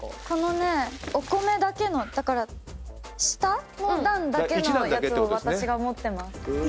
このねお米だけのだから下の段だけのやつを私が持ってます。